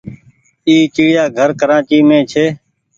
اي چڙيآ گهر ڪرآچي مين ڇي۔